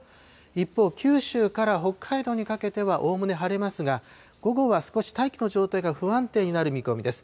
一方、九州から北海道にかけてはおおむね晴れますが、午後は少し大気の状態が不安定になる見込みです。